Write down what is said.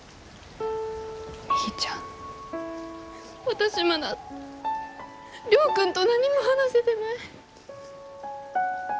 私まだ亮君と何も話せてない。